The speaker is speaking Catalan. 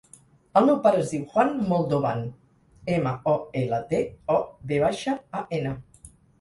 El meu pare es diu Juan Moldovan: ema, o, ela, de, o, ve baixa, a, ena.